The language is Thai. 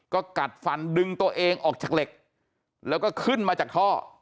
ก็กัดฟันดึงตัวเองออกจากเหล็กแล้วก็ขึ้นมาจากท่อ